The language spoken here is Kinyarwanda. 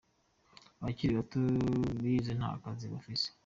"Abakiri bato bize nta kazi bafise.